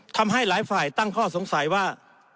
ทำให้หลายฝ่ายตั้งข้อสงสัยว่า